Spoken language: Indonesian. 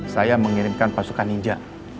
saya mengirimkan pasukan ninja